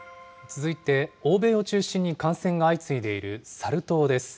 続いて欧米を中心に感染が相次いでいるサル痘です。